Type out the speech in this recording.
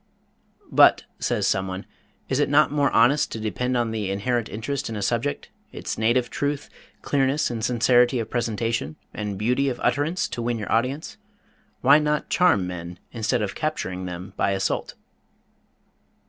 "But," says someone, "is it not more honest to depend the inherent interest in a subject, its native truth, clearness and sincerity of presentation, and beauty of utterance, to win your audience? Why not charm men instead of capturing them by assault?"